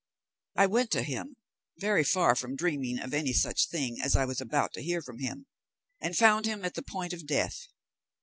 I went to him, very far from dreaming of any such thing as I was about to hear from him, and found him at the point of death.